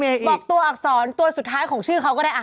บอกตัวอักษรตัวสุดท้ายของชื่อเขาก็ได้